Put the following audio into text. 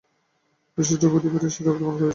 পিশাচ রঘুপতি সে রক্ত পান করিয়াছে।